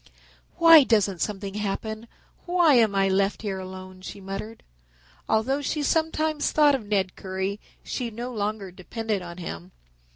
"Why doesn't something happen? Why am I left here alone?" she muttered. Although she sometimes thought of Ned Currie, she no longer depended on him.